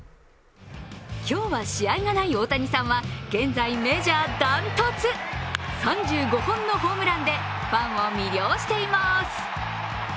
今日は試合がない大谷さんは現在、メジャーダントツ３５本のホームランでファンを魅了しています。